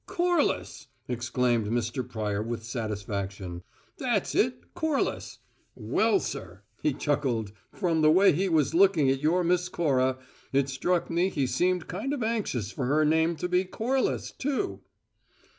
"Corliss!" exclaimed Mr. Pryor, with satisfaction. "That's it, Corliss. Well, sir," he chuckled, "from the way he was looking at your Miss Cora it struck me he seemed kind of anxious for her name to be Corliss, too."